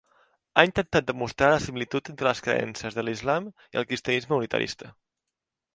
Ha intentat demostrar la similitud entre les creences de l'islam i el cristianisme unitarista.